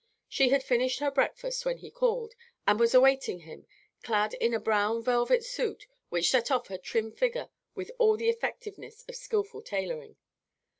She had finished her breakfast when he called, and was awaiting him, clad in a brown velvet suit which set off her trim figure with all the effectiveness of skilful tailoring.